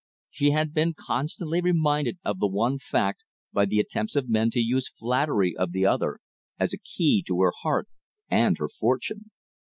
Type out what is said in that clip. She had been constantly reminded of the one fact by the attempts of men to use flattery of the other as a key to her heart and her fortune.